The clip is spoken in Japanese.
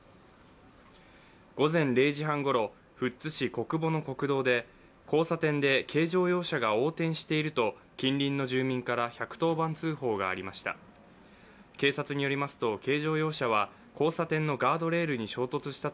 午前０時半ごろ、富津市小久保の国道で交差点で軽乗用車が横転していると近隣の住民から１１０番通報がありました。